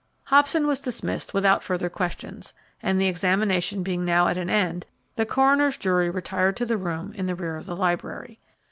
Hobson was dismissed without further questions, and the examination being now at an end, the coroner's jury retired to the room in the rear of the library.